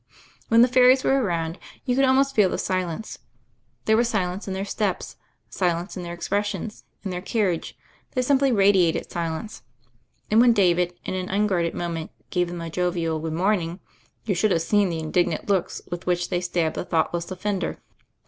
When the fairies were around, you could almost feel the silence. There was silence in their steps, silence in their expressions, in their carriage — they simply radi ated silence ; and when David, in an unguarded moment, gave them a jovial good morning, you should have seen the indignant looks with which they stabbed the thoughtless offender.